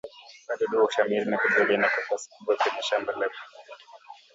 wadudu hushamiri na kuzaliana kwa kasi kubwa kwenye shamba lenye magugu